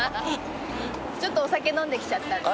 ちょっとお酒飲んできちゃったんで。